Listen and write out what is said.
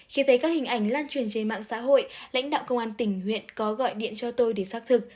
khi thấy các hình ảnh lan truyền trên mạng xã hội lãnh đạo công an tỉnh huyện có gọi điện cho tôi để xác thực